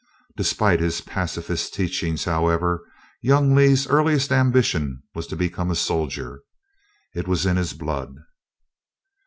Despite his pacifist teaching, however, young Lee's earliest ambition was to become a soldier. It was in his blood.